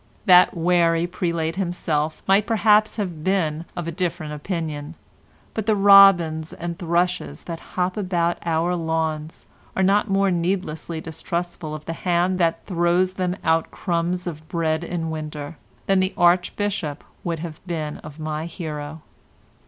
That wary prelate himself might perhaps have been of a different opinion, but the robins and thrushes that hop about our lawns are not more needlessly distrustful of the hand that throws them out crumbs of bread in winter, than the Archbishop would have been of my hero.